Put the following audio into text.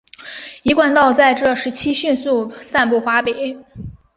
一贯道在这段时期迅速散布华北。